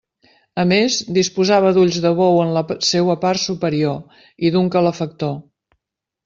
A més, disposava d'ulls de bou en la seua part superior, i d'un calefactor.